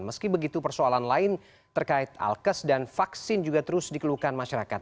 meski begitu persoalan lain terkait alkes dan vaksin juga terus dikeluhkan masyarakat